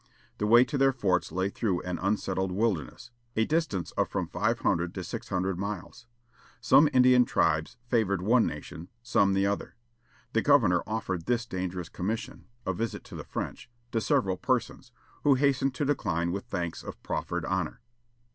The way to their forts lay through an unsettled wilderness, a distance of from five hundred to six hundred miles. Some Indian tribes favored one nation; some the other. The governor offered this dangerous commission a visit to the French to several persons, who hastened to decline with thanks the proffered honor.